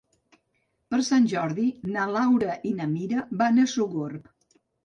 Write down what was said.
Per Sant Jordi na Laura i na Mira van a Sogorb.